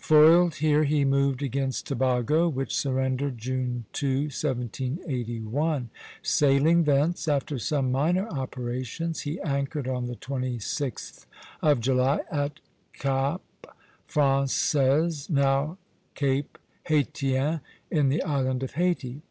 Foiled here, he moved against Tobago, which surrendered June 2, 1781. Sailing thence, after some minor operations, he anchored on the 26th of July at Cap Français (now Cape Haytien), in the island of Hayti.